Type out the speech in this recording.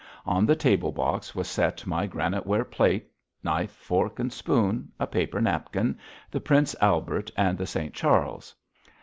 On the table box was set my graniteware plate, knife, fork, and spoon, a paper napkin, the Prince Albert and the St. Charles.